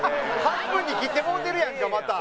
「半分に切ってもうてるやんかまた」